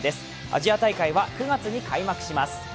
アジア大会は９月に開幕します。